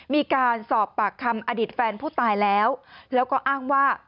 มีการสอบปากคำอดีตแฟนผู้ตายแล้วแล้วก็อ้างว่า